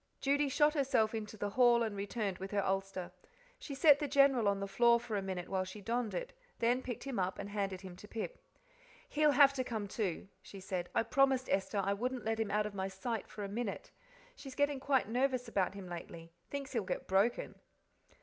Judy shot herself into the hall and returned with her ulster; she set the General on the floor for a minute while she donned it, then picked him up and handed him up to Pip. "He'll have to come, too," she said; "I promised Esther I wouldn't let him out of my sight for a minute; she's getting quite nervous about him lately thinks he'll get broken."